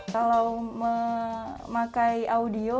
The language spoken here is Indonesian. kalau memakai audio